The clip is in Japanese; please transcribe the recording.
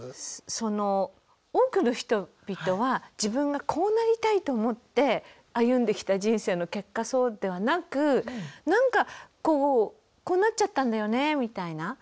その多くの人々は自分がこうなりたいと思って歩んできた人生の結果そうではなくなんかこうこうなっちゃったんだよねみたいな。